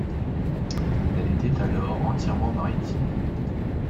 Elle était alors entièrement maritime.